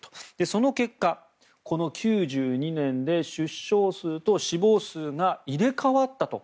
その結果、この９２年で出生数と死亡数が入れ替わったと。